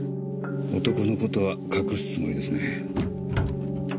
男の事は隠すつもりですね。